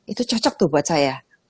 itu cocok tuh buat saya